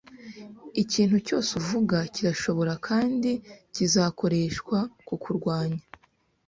Ikintu cyose uvuga kirashobora kandi kizakoreshwa kukurwanya.